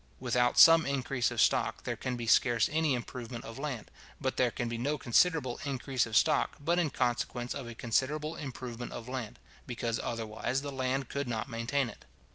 Without some increase of stock, there can be scarce any improvement of land, but there can be no considerable increase of stock, but in consequence of a considerable improvement of land; because otherwise the land could not maintain it.